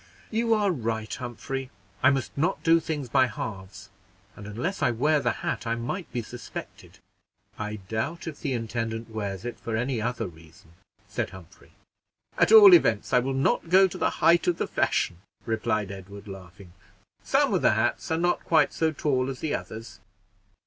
"You are right, Humphrey, I must not do things by halves; and unless I wear the hat, I might be suspected." "I doubt if the intendant wears it for any other reason," said Humphrey. "At all events, I will not go to the height of the fashion," replied Edward, laughing. "Some of the hats are not quite so tall as the others."